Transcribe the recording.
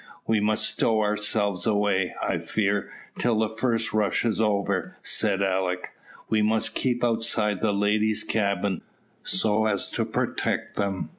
"We must stow ourselves away, I fear, till the first rush is over," said Alick. "We must keep outside the ladies' cabin, so as to protect them."